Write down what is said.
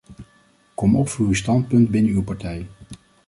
Kom op voor uw standpunt binnen uw partij!